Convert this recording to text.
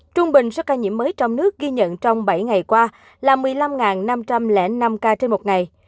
trung bình số ca nhiễm mới trong nước ghi nhận trong bảy ngày qua là một mươi năm năm trăm linh năm ca trên một ngày